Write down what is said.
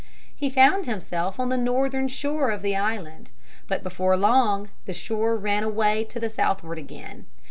He found himself on the northern shore of the island, but before long the shore ran away to the southward again.